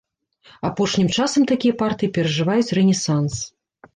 Апошнім часам такія партыі перажываюць рэнесанс.